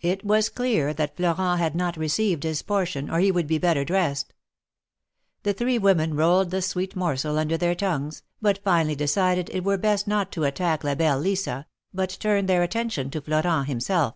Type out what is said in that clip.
It was clear that Florent had not received his portion, or he would be better dressed. The three women rolled this sweet morsel under their tongues, but finally decided it were best not to attack La belle Lisa, but turn their attention to Florent himself.